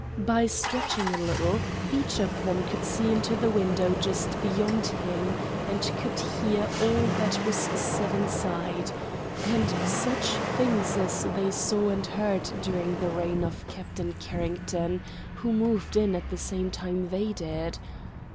By stretching a little, each of them could see into the window just beyond him, and could hear all that was said inside; and such things as they saw and heard during the reign of Captain Carrington, who moved in at the same time they did!